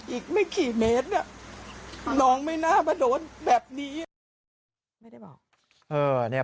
อีกไม่กี่เมตรน้องไม่น่ามาโดนแบบนี้